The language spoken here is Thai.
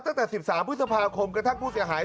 ตั้งแต่๑๓พฤษภาคมกระทั่งผู้เสียหาย